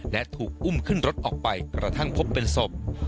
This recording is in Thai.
และถูกอุ้มขึ้นรถออกไปกระทั่งพบเป็นศพ